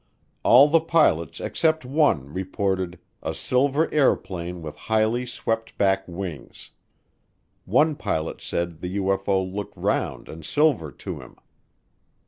All the pilots except one reported a "silver airplane with highly swept back wings." One pilot said the UFO looked round and silver to him.